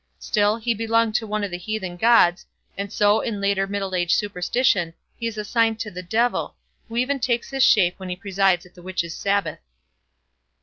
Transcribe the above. Still he belonged to one of the heathen gods, and so in later Middle Age superstition he is assigned to the Devil, who even takes his shape when he presides at the Witches' Sabbath.